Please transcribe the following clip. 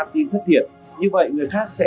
tin thất thiệt như vậy người khác sẽ